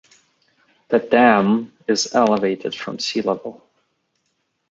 The dam is elevated from sea level.